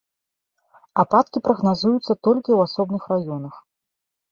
Ападкі прагназуюцца толькі ў асобных раёнах.